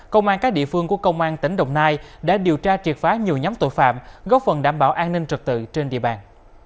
công an các địa phương của công an tỉnh đồng nai đã điều tra triệt phá nhiều nhóm tội phạm góp phần đảm bảo an ninh trật tự trên địa bàn